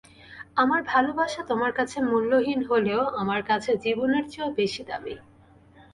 আমার ভালোবাসা তোমার কাছে মূল্যহীন হলেও আমার কাছে জীবনের চেয়েও বেশি দামি।